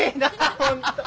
本当。